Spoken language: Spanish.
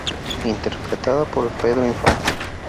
Interpretada por Pedro Infante.